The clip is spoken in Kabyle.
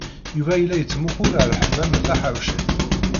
Yuba yella yettmuqul ar Ḥemmama Taḥawcint.